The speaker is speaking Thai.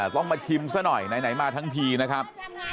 ต้องมาชิมซะหน่อยไหนมาทั้งทีนะครับ